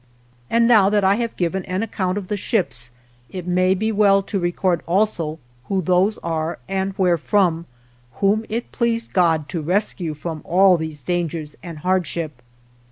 And now that I have given an account of the ships, it may be well to record also who those are and where from, whom it pleased God to rescue from all these dangers and hardship.